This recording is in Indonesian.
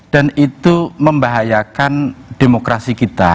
dan itu membahayakan demokrasi kita